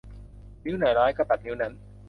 นิ้วไหนร้ายก็ตัดนิ้วนั้น